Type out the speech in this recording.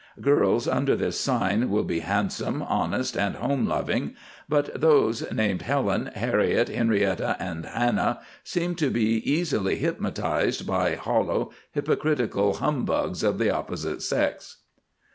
Girls under this sign will be Handsome, Honest, and Home loving, but those named Helen, Harriet, Henrietta, and Hannah seem to be easily Hypnotized by Hollow, Hypocritical Humbugs of the opposite sex.